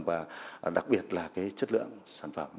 và đặc biệt là chất lượng sản phẩm